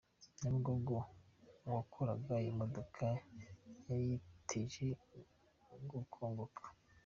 Nyabugogo Uwakoraga imodoka yayiteje gukongoka